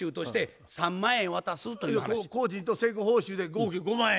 工賃と成功報酬で合計５万円。